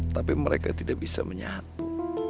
tapi mereka tidak bisa menyatu